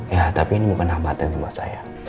ya tapi ini bukan hambatan buat saya